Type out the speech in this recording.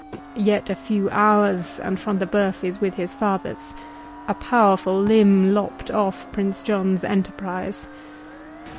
Yet a few hours, and Front de Bœuf is with his fathers—a powerful limb lopped off Prince John's enterprise."